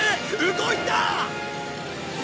動いた！